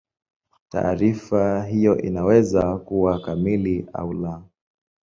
Taarifa hiyo inaweza kuwa kamili au la.